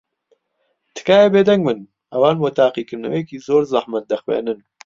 تکایە بێدەنگ بن. ئەوان بۆ تاقیکردنەوەیەکی زۆر زەحمەت دەخوێنن.